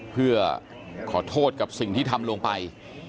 เพื่อขอโทษกับสิ่งที่ทำลงไป